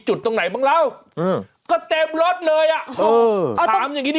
จุดตรงไหนบ้างแล้วอือก็เต็มร็อตเลยอ่ะเอออย่างงี้ดี